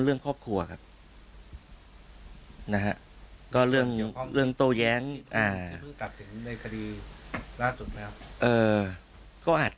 คนเรื่องครอบครัวครับนะฮะก็เรื่องเรื่องโตแย้งอ่าก็อาจ